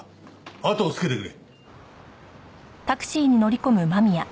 あとをつけてくれ。